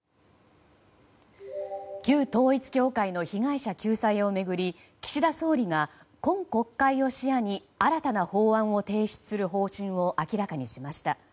旧統一教会の被害者救済を巡り岸田総理が今国会を視野に新たな法案を提出する方針を明らかにしました。